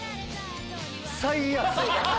最悪！